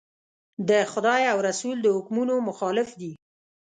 د خدای او رسول د حکمونو مخالف دي.